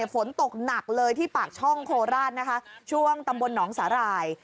ฝนตกหนักเลยที่ปากช่องโคราชนะคะช่วงตำบลหนองสาหร่าย